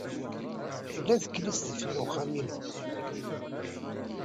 Tella teklizt deffir wexxam-inu.